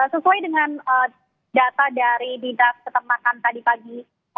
sesuai dengan data dari dinas peternakan tadi pagi